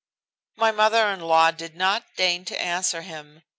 My mother in law did not deign to answer him.